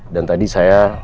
dan tadi saya